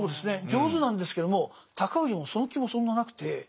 上手なんですけども高氏もその気もそんななくて。